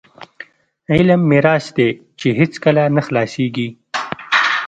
علم میراث دی چې هیڅکله نه خلاصیږي.